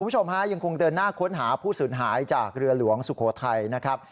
คุณผู้ชมฮะยังคงเดินหน้าค้นหาผู้สูญหายจากเรือหลวงสุโขทัยนะครับ